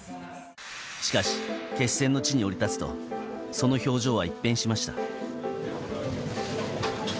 しかし、決戦の地に降り立つと、その表情は一変しました。